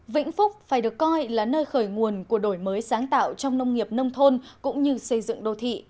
vĩnh phúc phải được coi là nơi khởi nguồn của đổi mới sáng tạo trong nông nghiệp nông thôn cũng như xây dựng đô thị